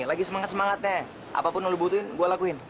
lagi semangat semangatnya apapun lo butuhin gue lakuin